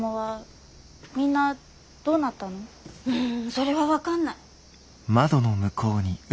それはわかんない。